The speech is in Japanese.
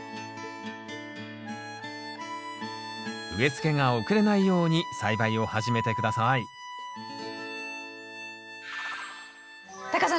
植え付けが遅れないように栽培を始めて下さいタカさん